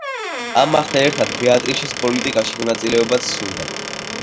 ამასთან ერთად, ბეატრიჩეს პოლიტიკაში მონაწილეობაც სურდა.